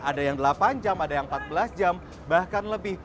ada yang delapan jam ada yang empat belas jam bahkan lebih